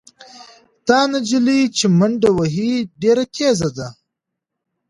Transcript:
دا نجلۍ چې منډه وهي ډېره تېزه ده.